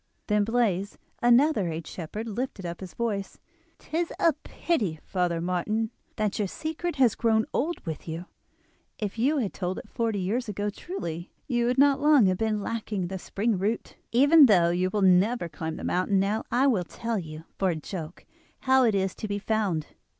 Then Blaize, another aged shepherd, lifted up his voice. "'Tis a pity, Father Martin, that your secret has grown old with you. If you had told it forty years ago truly you would not long have been lacking the spring root. Even though you will never climb the mountain now, I will tell you, for a joke, how it is to be found.